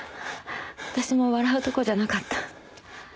私も笑うとこじゃなかった。